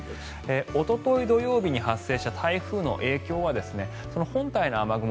おととい土曜日に発生した台風の影響は本体の雨雲